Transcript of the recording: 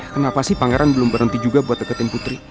kenapa sih pangeran belum berhenti juga buat deketin putri